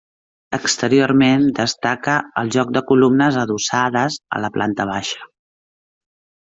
Exteriorment destaca el joc de columnes adossades a la planta baixa.